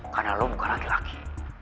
karena lo bukan laki laki